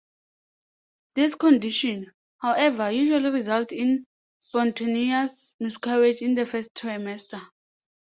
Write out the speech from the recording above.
This condition, however, usually results in spontaneous miscarriage in the first trimester.